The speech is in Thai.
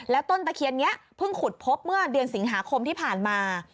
แล้วต้นตะเคียนนี้เพิ่งขุดพบเมื่อเดือนสิงหาคมที่ผ่านมา